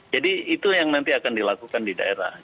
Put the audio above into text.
jadi itu yang nanti akan dilakukan di daerah